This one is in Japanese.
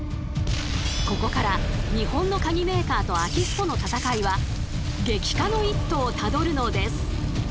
ここから日本のカギメーカーと空き巣との戦いは激化の一途をたどるのです。